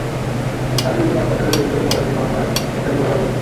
তাঁর বিরুদ্ধে মানব পাচারের অভিযোগে করা দুটি মামলায় গ্রেপ্তারি পরোয়ানা রয়েছে।